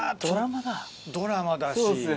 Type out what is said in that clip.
ドラマだし。